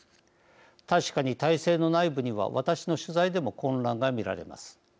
確かに体制の内部には私の取材でも混乱が見られます。